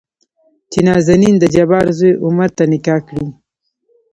چې نازنين دجبار زوى عمر ته نکاح کړي.